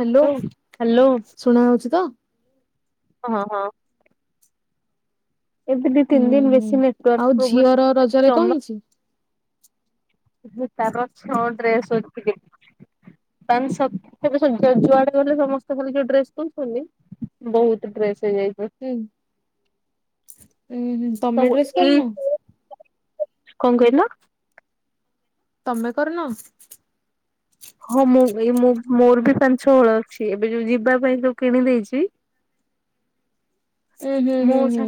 Hello ଶୁଣା ହଉଛି ତ? ହଁ ହଁ। ଏବେ ଦି ହୁଁ ତିନି ଦିନ ହୁଁ ବେଶୀ ଆଉ ନେଟୱାର୍କ ଝିଅର ରଜରେ କଣ ଜମା ହେଇଛି? [unintelligible] ତାଲେଜୁଆଡେ ଗଲେ ସମସ୍ତେ ଖାଲି ଯୋଉ ଡ୍ରେସ କହୁଛନ୍ତି ବହୁତ ଡ୍ରେସ୍ ହଁ ହଁ ତମେ ସବୁ ଡ୍ରେସ ଏଇ କରିନ? କଣ କହିଲ? ତମେ କରିନ? ହଁ ମୁଁ ଏଇ ମୁଁ ମୋର ବି ପାଞ୍ଚ ଛ ବଳ ଅଛି ଏବେ ଯୋଉ ଯିବା ପାଇଁ ଯୋଉ କିଣି ଦେଇେଇଛି ହୁଁ ହୁଁ ହୁଁ ହୁଁ।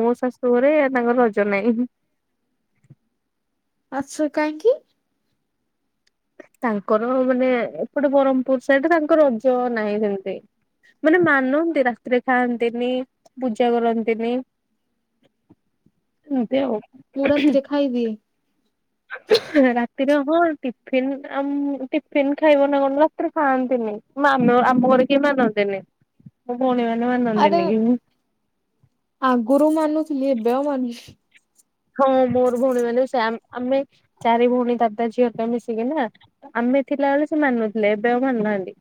ମୋ ଶାଶୁ ଘରେ ତାଙ୍କର ରଜ ନାହିଁ। ଆଚ୍ଛା କାହିଁକି? ତାଙ୍କର ମାନେ ଏପଟେ ବ୍ରହ୍ମପୁର ସେଇଟା ତାଙ୍କର ରଜ ନାହିଁ ସେମିତି ମାନେ ମାନନ୍ତି ରାତିରେ ଖାଆନ୍ତିନି ପୂଜା କରନ୍ତିନି [inaudible] ମୁଁ ରାତିରେ ଖାଇ ଦିଏ। ରାତିରେ ହଁ ଟିଫିନ ଆମ ମୁଁ ଟିଫିନ୍ ଖାଇବ ନା କଣ ରାତିରେ ଖାଆନ୍ତିନି ଆମ ଘରେ କେ ମାନନ୍ତିନି ମୋ ଭଉଣୀ ମାନେ। ଆରେ ମାନନ୍ତିନି କି ଆଗରୁୁ ମାନୁଥିଲେ। ଏବେ ଆଉ ମନୁ ହେଁ ହଁ ମୋର ଭଉଣୀ ମାନେ ସେ ଆମେ ଚାରି ଭଉଣୀ ଦାଦା ଝିଅ ଟା ମିଶିକି ନା ଆମେ ଥିଲାବେଳେ ସେ ମାନୁଥିଲେ ଏବେ ଆଉ ମାନୁନାହାନ୍ତି।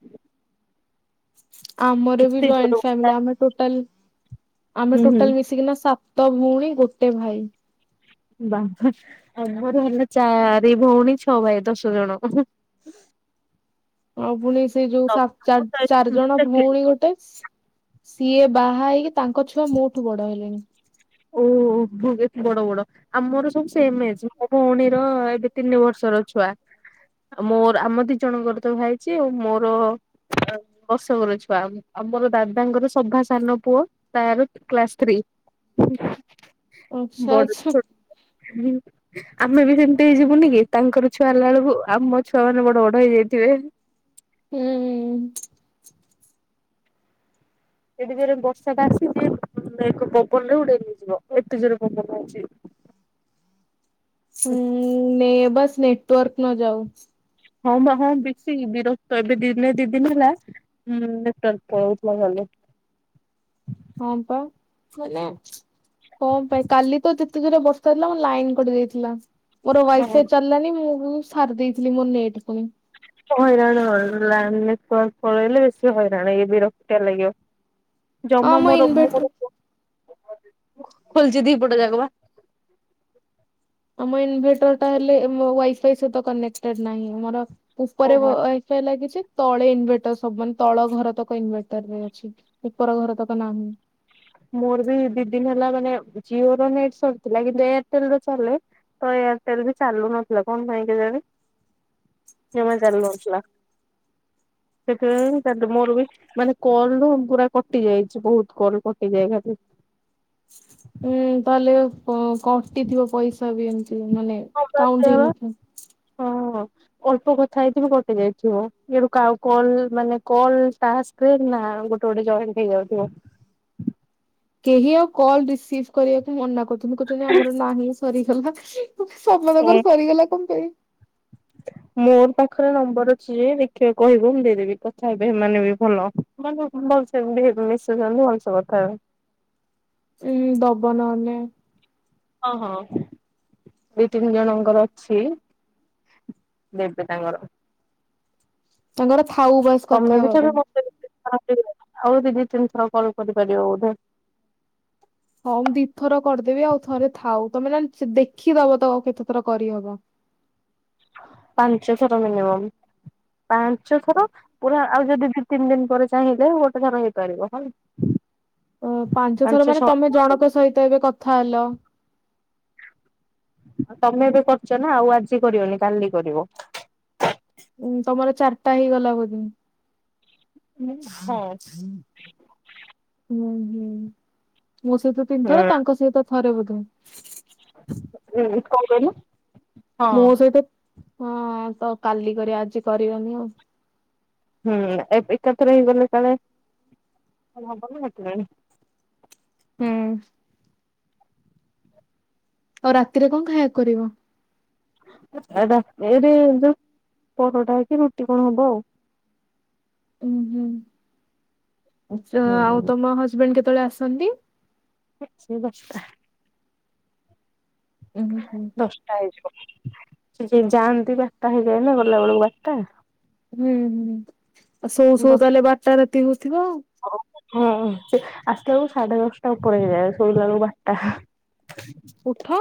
ଆମର ବି କେତେ ଜଏଣ୍ଟ ଜୋର ଫ୍ୟାମିଲି ଆମେ ଟୋଟାଲି ଆମେ ହୁଁ ହୁଁ ଟୋଟାଲ ମିଶିକିନା ସାତ ତ ଭଉଣୀ ଗୋଟେ ଭାଇ। ବାବା ଆଉ ମୋର ହେଲା ଚାରି ଭଉଣୀ ଛଅ ଭାଇ ଦଶ ଜଣ। ଆଉ ପୁଣି ସେ ଯୋଉ ସା ଚାର୍ ଚାରିଜଣ ଭଉଣୀ ଗୋଟେ। ସିଏ ବାହା ହେଇକି ତାଙ୍କ ଛୁଆ ମୋ ଠୁ ବଡ ହେଲେଣି। ଓ ବହୁତି ବଡ ବଡ। ଆମର ସବୁ ସେମ ଏଜ୍। ଭଉଣୀର ଏବେ ତିନି ବର୍ଷର ଛୁଆ ମୋର ଆମ ଦି ଜଣଙ୍କର ତ ଭାଇଛି ଆ ମୋର ଦର୍ଶକର ଛୁଆ ଆ ମୋର ଦାଦାଙ୍କର ସଭା ସାନ ପୁଅ ତାର କ୍ଲାସ ଥ୍ରୀ। ହୁଁ। ଆଛାଛା। ହୁଁ ଆମେ ବି ସେମିତି ହେଇ ଯିବୁନି କି ତାଙ୍କର ଛୁଆ ହେଲା ବେଳକୁ ଆମ ଛୁଆ ମାନେ ବଡ ବଡ ହେଇଯାଇଥିବେ। ହୁଁ। ଏଠି ଜୋରେ ବର୍ଷାଟା ଆସିଛି ଏକ ପବନରେ ଉଡେଇ ନେଇଯିବ ଏତେ ଜୋର ପବନ ହଉଛି। ହୁଁ ନେ ବସ୍ ନେଟୱାର୍କ ନ ଯାଉ। ହଁ ବା ହଁ ବେଶି ବିରକ୍ତ ଏବେ ଦିନେ ଦି ଦିନି ହେଲା ଉଁ ନେଟୱାର୍କ ପଳଉଥିବ ଖାଲି। ହଁ ପା ମାନେ କଁ ପାଇଁ କାଲି ତ ଦେ ଏତେ ଜୋରରେ ବର୍ଷା ହେଇଥିଲା ମୋ ଲାଇନ କଟି ଯାଇଥିଲା। ମୋର ୱାଇଫାଇ ଚାଲିଲାନି ମୁଁ ମୁଁ ସାରି ଦେଇଥିଲି ମୋ ନେଟ ପୁଣି। ହଇରାଣ ଲା ନେଟୱାର୍କ ପଳେଇଲେ ବେଶି ହଇରାଣି ଏ ବିରକ୍ତିଆ ଲାଗିବ। ହଁ ଜମା ଆମ ମୋର ମୋ ଇନଭେଟର ଖୋଲଚି ଦି ପଟ ଯାକ ବା। ଆମ ଇନଭେଟରଟା ହେଲେ ମୋ ୱାଇଫାଇ ସହିତ କନେକ୍ଟେଡ ନାହିଁ ମୋର ଉପରେ ବ ଓହୋ। ୱାଇ ଫାଇ ଲାଗିଚି। ତଳେ ଇନଭେଟର ସବୁ ମାନେ ତଳ ଘର ତକ ଇନଭଟରରେ ଅଛି ଉପର ଘର ତକ ନାହିଁ। ମୋର ବି ଦି ଦିନି ହେଲା ମାନେ ଜିଓର ନେଟ ସରିଥିଲା କିନ୍ତୁ ଏୟାରଟେଲର ଚାଲେ ତ ଏୟାରଟେଲ ବି ଚାଲୁ ନଥିଲା। କଣ ପାଇଁ କେଜାଣି? ଜମା ଚାଲୁନଥିଲା ସେଥିପାଇଁ କାଲି ମୋର ବି ମାନେ କଲ ଗୁରା କଟି ଯାଇଚି ବୋହୁତ କଲ କ ଏ ଯାଏ ଖାଲି ଉଁ ତାହେଲେ କ କଟିଥିବ ପଇସା ବି ଏମ ଉଁ ମାନେ ହଁ ପା କାଉଣ୍ଟ୍ ସେଇଆ ହେଇ ବା। ନଥିବ। ହଁ। ଅଳ୍ପ କଥା ହେଇଥିମୁ କଟି ଯାଇଥିବ ଇଆଡ଼ୁ କାଉ କଲ୍ ମାନେ କଲ୍ ଟାସ୍କରେ ନାଁ ଗୋଟେ ଗୋଟେ ଜଏଣ୍ଟ୍ ହେଇଯାଉଥିବ। କେହି ଆଉ କଲ ରିସିଭ୍ କରିବାକୁ ମନାକରୁ ତୁମେ କହୁଚ ଯେ ଆମର ନାହିଁ। ସରିଗଲା। ଓ ସମସ୍ତଙ୍କର ସରିଗଲା କଣ ପାଇଁ? ଖରେ ନମ୍ବର୍ ଅଛି ଯେ ଦେଖିଆ କହିବୁ ମୁଁ ଦେଇଦେବି, କଥା ହେବେ ହେମାନେ ବି ଭଲ, ମାନେ ଭଲସେ ବି ମିଶୁଚନ୍ତି ଭଲସେ କଥା ହେବେ। ଉଁ, ହୁଁ ଦବ ନହେଲେ। ହଉ ହଁ ଦି ତିନି ଜଣଙ୍କର ଅଛି ଦେବି ତାଙ୍କର। ତାଙ୍କର ଥାଉ ବାସ୍ କଥା ତମେ ବି ହବା ପାଇଁ। ଥରେ ହେଇଗଲା, ଆଉ ଦି ଦି ତିନ ଥର କଲ୍ କରିପାରିବ ବୋଧେ। ହଁ ମୁଁ ଦିଥର କରିଦେବି ଆଉ ଥରେ ଥାଉ ତୋମେ ନନେ ସେ ଦେଖିଦବ ତ କେତେ ଥର କରିହବ। ପାଞ୍ଚ ଥର ମିନିମମ୍, ପାଞ୍ଚ ଥର ପୁରା ଆଉ ଯଦି ଦି ତିନି ଦିନ ପରେ ଚାହିଁଲେ ଗୋଟେ ଥର ହେଇପାରିବ ହେଲା। ଓ ପାଞ୍ଚ ଥର ମାନେ ତମେ ଜଣଙ୍କ ସହିତ ଏବେ କଥା ହେଲ ଆଉ ତମେ ଏବେ କରିଚ ନା ଆଉ ଆଜି କରିବନି କାଲି କରିବ। ତା ହେଇଗଲା ବୋଧେ। ହୁଁ। ହଁ। ହଁ। ମୋ ସହିତ ତିନି ଥର ତାଙ୍କ ସହିତ ଥରେ ବୋଧ [unintelligible] ଏକ କଣ କହିଲ? ହଁ। ମୋ ସହିତ ହଁ ତ କାଲି କରିବା, ଆଜି କରିବାନି ଆଉ। ହୁଁ ଏ ଏକାଥରେ ହେଇଗଲେ କାଳେ [inaudible] ହବ ନା ସେଥିପାଇଁ। ହୁଁ। ଆଉ ରାତିରେ କଣ ଖାଇବାକୁ କରିବ? ଏଟା ଏରେ ଯୋଉ ପରଟା କି ରୁଟି କଣ ହବ। ଅଁ, ହଁ। ଆଚ୍ଛା ଆଉ ହୁଁ ତୋମ ହଜବେଣ୍ଡ କେତେବେଳେ ଆସ ସନ୍ତି ହେ ସେଇ ଦଶଟା। ଏମିତି ଦଶଟା ହେଇଯିବ ସେ ଯେ ଯାଆନ୍ତି ବାରଟା ହେଇଯାଏ ନା, ଗଲା ବେଳକୁ ବାରଟା। ଉଁ, ହୁଁ। ଆଉ ଶୋଉ ଶୋଉ ସୋ ଦଶ ତାହେଲେ ବାରଟା ରାତି ହଉଥିବ ଆଉ। ହଁ ସେ ଆସିଲା ବେଳକୁ ସାଢେ ଦଶଟା ଉପରେ ହେଇଯାଏ, ଶୋଇାଲୃବେଳକୁ ବାରଟା। ଉଠ?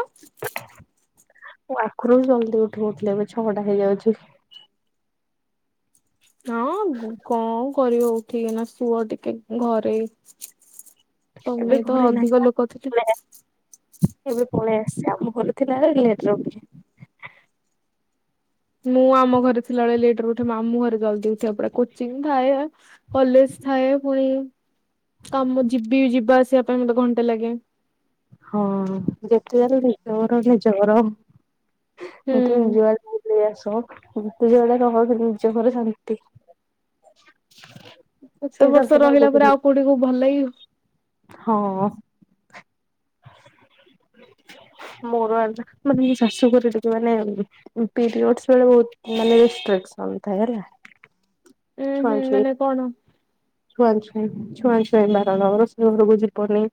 ଓ ଆଗରୁ ଜଲଦି ଉଠିଯାଉଥିଲେ, ଏବେ ଛଅଟା ହେଇଯାଉଛି। ହଁ ଗୁ-କଣ କରିବ ଉଠିକିନା ଶୁଅ ଟିକେ ଘରେ। ଏବେ ତମେ ତ ଘରେ ନାହିଁ। ଅଧିକ ଲୋକ ଥିଲେ। ଏବେ ପଳେଇ ଆସଛି ଆମ ଘରେ ଥିଲା ବେଳେ ଲେଟରେ ଉଠେ। ମୁଁ ଆମ ଘରେ ଥିଲାବେଳେ ଲେଟ ଉଠେ ମାମୁଁ ଘରେ ଜଲଦି ଉଠିବାକୁ ପଡ଼େ କୋଚିଂ ଥାଏ କଲେଜ ଥାଏ ପୁଣି କାମ ଯିବି ଯିବା ଆସିବା ପାଇଁ ମତେ ଘଣ୍ଟେ ଲାଗେ। ହଁ ଯେତେହେଲେ ନିଜ ଘର ନିଜ ଘର। ହୁଁ ମୁଁ କହେ ଯାଅ ବୁଲି ଆସ। ଯେତେ ଯାହା ହେଲେ ବି ନିଜ ଘରେ ଶାନ୍ତି । ଏତେ ବର୍ଷ ରହିଲା ପରେ ଆଉ କୋଉଠି କି ଭଲ ଲାଗିବ। ହଁ। [unintelligible] ମୋର ମାନେ ଜାଣିଛ ଶାଶୁଘରେ ଯେତେବେଳେ ମାନେ ପିରିୟଡ଼ସ୍ ପିରିୟଡ଼ସ୍ [unintelligible] ମାନେ ଥାଏ ହେଲା। ହୁଁ ଛୁଆଁ ହୁଁ ଛୁଇଁ ମାନେ କଣ? ଛୁଆଁ ଛୁଇଁ ଛୁଆଁ ଛୁଇଁ ବାରଣ ରୋଷେଇ ଘରକୁ ଯିବନି।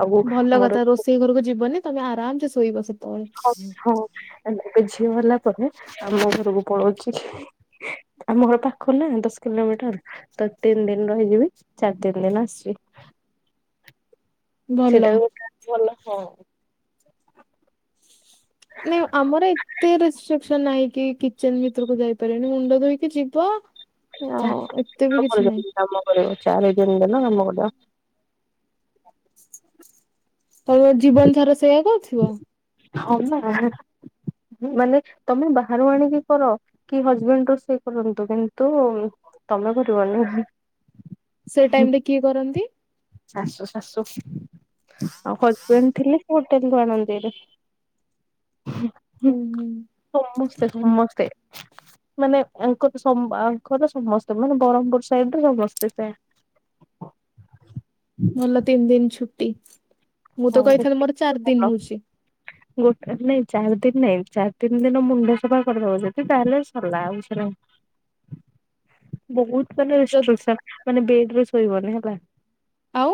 ଆଉ ଭଲ ମୋର କଥା ରୋଷେଇ ଘରକୁ ଯିବନି। ତମେ ଆରାମ ସେ ଶୋଇବ ସେ। ହଉ ହଉ। ଗଲା ପରେ ଆମ ଘରକୁ ପଳଉଛି ଆମ ଘର ପାଖ ନା ଦଶ କିଲୋମିଟର ତ ତିନି ଦିନ ରହିଯିବି ଚାରିଦିନି ଦିନ ଆସିବି। ଭଲ। ସେଇଟା ଭଲ ହଁ। [unintelligible] ନାଇଁ ଆମର ଏତେ ରେଷ୍ଟ୍ରିକସନ ନାହିଁ କି କିଚେନ୍ ଭିତରକୁ ଯାଇପାରିବନି ମୁଣ୍ଡ ଧୋଇକି ଯିବ। ଯା ଆଉ ଏତେ ବି କିଛି ନାହିଁ କାମ କରିବ ଚାରି ଦିନରେ। ହେ ଭଲ କଥା। ହ ତମ ଜୀବନ ସାରା ସେଇଆ କହୁଛ। ୁ ହ ମାନେ ତମେ ବାହାରୁ ଆଣିକି କର କି ହଜବେଣ୍ଡ ରୋଷେଇ କରନ୍ତୁ କିନ୍ତୁ ତମେ କରିବନି। ସେ ଟାଇମ ରେ କିଏ କରନ୍ତି? ଶାଶୁ ଶାଶୁ। ଆଉ ହଜ୍ ପୁଣି ଥିଲେ। ଉଁ [unintelligible] ହୁଁ ସମସ୍ତେ ହୁଁ। ସମସ୍ତେ। ମାନେ ଅଙ୍କ ସମ୍ ଆଙ୍କର ତ ସମସ୍ତେ ମାନେ ବ୍ରହମପୁର ସାଇଡ ସମସ୍ତେ ସେ ଭଲ ତିନି ଦିନ ଛୁ ଛୁଟି। ମୁଁ ହଁ ତ କହିଥିଲି ଗୋଟେ ମୋର ଚାରି ଦିନ ହଉଛି। ଗୋଟେ ନାଇଁ ଚାରି ଦିନ ନାଇଁ ଚାରି ତିନି ଦିନ ମୁଣ୍ଡ ସଫା କରିଦବ ଯଦି ତାହେଲେ ସରଲା ଆଉ ସେ ବହୁତ ଯଦି [unintelligible] ମାନେ ବେଡରେ ଶୋଇବନି ହେଲା। ଆଉ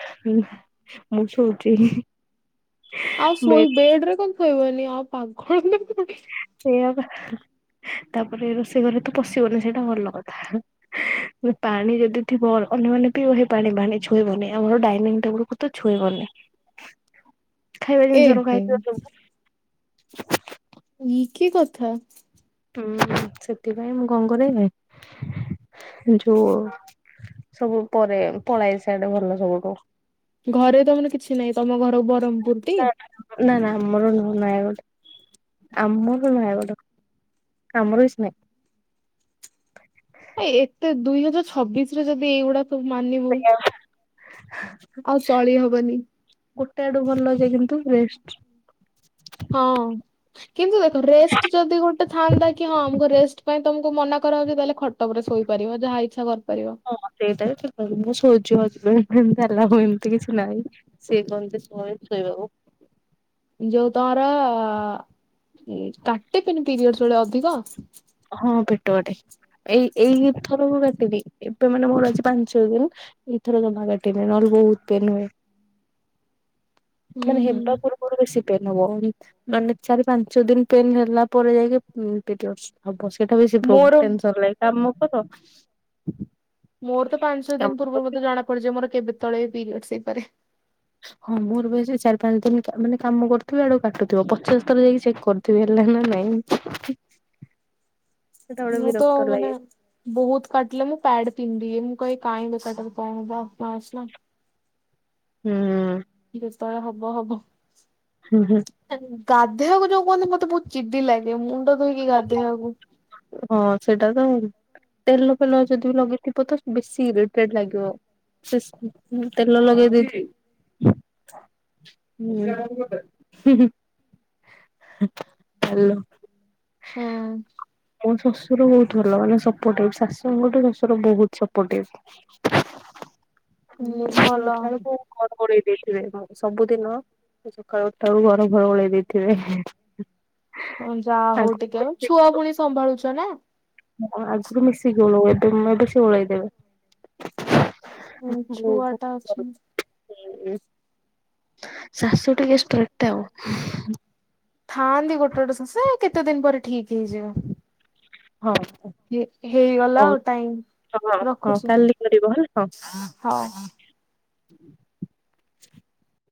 ହଁ ମୁଁ ଶୋଉଚି। ଆଉ ଶୋଇ ବେଡରେ କଣ ଶୋଇବନି ଆଉ ପାଗଳ ନା କଣ? ସେୟା ବା ତାପରେ ରୋଷେଇ ଘରେ ତ ପଶିବନି ସେଇଟା ଭଲ କଥା ପାଣି ଯଦି ଥିବ ଅନ୍ୟମାନେ ବି ପାଣି ପାଣି ଛୁଇଁବନି ଆମର ଡାଇନିଂ ଟେବୁଲକୁ ତ ଛୁଇଁବନି। ଖାଇବା ଏ ଜିନିଷ ରଖା ହେ ହେଇଥିବ ସବୁ ବା। ଇଏ କି କଥା। ହୁଁ ସେଥିପାଇଁ ମୁଁ କଣ କରେନି ଯୋଉ ସବୁ ପରେ ପଳାଏ ସିଆଡେ ଭଲ ସବୁଠୁ। ଘରେ ତମର କିଛି ନାହିଁ ତମ ଘର ବରମ୍ ନା ନା ଆମର ନୁହଁ ନୟାଗଡ଼। ଆମର ନୟାଗଡ଼। କାମର କିଛି ନାହିଁ। ଏ ଏତେ ଦୁଇ ହଜାର ଛବିଶ ରେ ଯଦି ଏଇଗୁଡା ସବୁ ମାନିବୁ ଆଉ ଚଳି ହବନି। ଗୋଟେ ଆଡୁ ଭଲ ଯେ କିନ୍ତୁ ରେଷ୍ଟ। ହଁ କିନ୍ତୁ ଦେଖ ରେଷ୍ଟ ଯଦି ଗୋଟେ ଥାଆନ୍ତା କି ହଁ ଆମକୁ ରେଷ୍ଟ ପାଇଁ ତମକୁ ମନା କରା ହଉଛି ତାହେଲେ ଖ ହଁ ସେଇଟା ବି ଠିକ କହିଲି ମୁଁ ଶୋଉଛି ଆଜି ଗ୍ରିଲ୍ ଫିଲ ତାଲା ପକେଇବି ଏମିତି କିଛି ନାଇଁ ସେ କହନ୍ତି ସମୟ ଶୋଇବାକୁ। ଯୋଉ ତମର କାଟେ କିନ୍ତୁ ପିରିୟଡ଼ସ ବେଳେ ଅଧିକ? ହଁ ପେଟ କାଟେ ଏଇ ଏଇ ଥର ମୋ କାଟିନି ଏବେ ମାନେ ମୋର ଆଜି ପାଞ୍ଚ ଛଅ ଦିନ ଏଇଥର ଜମା କାଟିନି ନହେଲେ ବହୁତ ପେନ୍ ହୁଏ। ହୁଁ ମାନେ ହୁଁ ହେବା ପୂର୍ବରୁ ବେଶୀ ପେନ୍ ହବ ମାନେ ଚାରି ପାଞ୍ଚ ଦିନ ପେନ୍ ହେଲା ପରେ ଯାଇକି ପିରିୟଡସ ହବ ସେ। ସେଟା ବେଶୀ ପ୍ରୋ ମୋର ଟେନସନ ଲାଗେ କାମ [unintelligible] ମୋର ତ ପାଞ୍ଚ ଛଅ କାମ ଦିନ ପୂର୍ବରୁ କରିବି ମତେ ଜଣା ପଡିଯିବ ମୋର କେବେ କେତବଳେ ପିରିୟଡସ ହେଇପାରେ? ହଁ ମୋର ବା ସେଇ ଚାରି ପାଞ୍ଚ ଦିନ ମାନେ କାମ କରୁଥିବି ଆଡୁ କାଟୁଥିବ ପଚାଶ ଥର ଯାଇକି ଚେକ୍ କରୁଥିବି ହେଲା ନା ନାଇଁ? ସେଟା ଗୋଟେ ମୁଁ ତ ବିରକ୍ତ ମାନେ ଲାଗେ ବହୁତ କାଟିଲେ ମୁଁ ପ୍ୟାଡ ପିନ୍ଧିଦିଏ ମୁଁ କହେ କାଇଁ ବେକାରଟାରେ କଣ ହବ ପାସ୍ ନା। ହୁଁ ହୁଁ। ଯେତେବଳେ ହବ ହବ। ହୁଁ ହୁଁ। ଗାଧେଇବାକୁ ଯୋଉ କୁହନ୍ତି ମୋତେ ବହୁତ ଚିଡି ଲାଗେ ମୁଣ୍ଡ ଧୋଇକି ଗାଧେଇବାକୁ। ହଁ ସେଟା ତ। ତେଲ ଫେଲ ଯଦି ଲଗେଇଥିବ ତ ବେଶୀ ଇେରିଟେଟ୍ ଲାଗିବ। ସେ ଉଁ ତେଲ ଲଗେଇ ଦେଇଥି, [unintelligible] ମୋ ଶ୍ୱଶୁର ବହୁତ ଭଲ ମାନେ ସପୋର୍ଟିଭ୍ ଶାଶୁଙ୍କଠୁ ଶଶୁର ବହୁତ ସପୋର୍ଟିଭ୍। ମୋ ହୁଁ ଶଶୁର ଭଲ ଉଠିଲା ବେଳକୁ ମୁଁ ଘର ଓଳେଇ ଦେଇଥିବେ ଘର ସବୁଦିନ ମୁଁ ସକାଳୁ ଉଠିଲା ବେଳକୁ ଘର ଫର ଓଳେଇ ଦେଇଥିବେ। ହଁ ଯାହା ହଉ ଟିକେ ଆଉ ଛୁଆ ପୁଣି ସମ୍ଭାଳୁଛ ନା। ହଁ ଆଗରୁ ମିଶିକି ଓଳଉ ଏବେ ଏବେ ସେ ଓଳେଇ ଦେବେ। ହଁ ବହୁତ ଛୁଆ ଟା ଅଛି। ଶାଶୁ ଟିକେ ଷ୍ଟ୍ରିକ୍ଟ ଆଉ। ଥାଆନ୍ତି ଗୋଟେ ଗୋଟେ ଶାଶୁ କେତେ ଦିନ ପରେ ଠିକ ହେଇଯିବ। ହଁ ଇଏ ହେଇଗଲା ହଉ ଆଉ ଟାଇମ୍ ହଁ ହଁ ରଖୁଛି, କାଲି କରିବ ହେଲା ହଁ। ହଁ।